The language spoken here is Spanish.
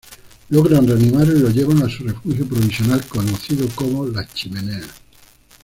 Logran reanimarlo y lo llevan a su refugio provisional, conocido como Las Chimeneas.